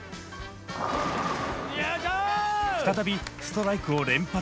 再びストライクを連発。